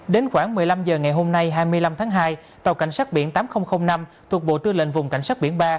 đến khoảng một mươi năm h ngày hôm nay hai mươi năm tháng hai tàu cảnh sát biển tám nghìn năm thuộc bộ tư lệnh vùng cảnh sát biển ba